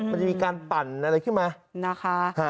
มันจะมีการปั่นอะไรขึ้นมานะคะ